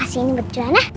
kasih ini berjalan ah